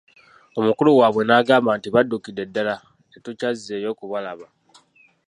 Omukulu waabwe n'agamba nti Baddukidde ddala tetukyazzeeyo kubalaba.